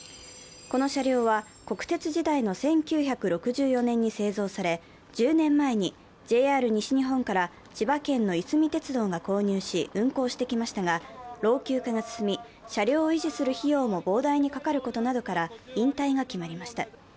この車両は国鉄時代の１９６４年に製造され、１０年前にＪＲ西日本から千葉県のいすみ鉄道が購入し運行してきましたが、老朽化が進み車両を維持する費用も膨大にかかることなどから、引退が決まりました。